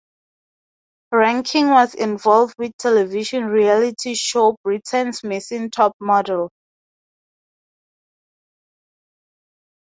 Rankin was involved with television reality show Britain's Missing Top Model.